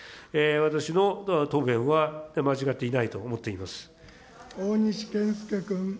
私の答弁は、間違っていないと思大西健介君。